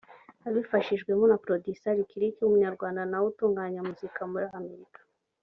abifashijwemo na Producer Licklick w’umunyarwanda nawe utunganyiriza muzika muri Amerika